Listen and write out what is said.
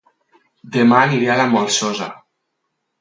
Dema aniré a La Molsosa